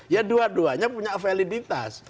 ya dua duanya punya validitas